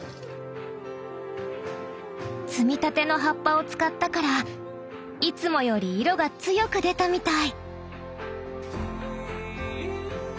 摘みたての葉っぱを使ったからいつもより色が強く出たみたい！